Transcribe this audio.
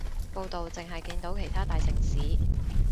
報導淨係見到其他大城市